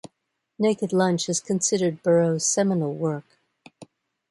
"Naked Lunch" is considered Burroughs' seminal work.